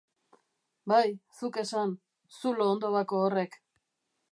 Bai, zuk esan, zulo hondobako horrek!